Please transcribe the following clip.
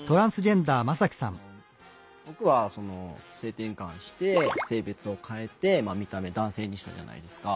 僕は性転換して性別を変えて見た目男性にしたじゃないですか。